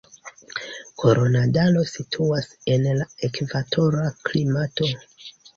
Koronadalo situas en la ekvatora klimato.